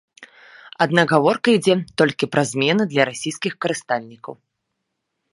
Аднак гаворка ідзе толькі пра змены для расійскіх карыстальнікаў.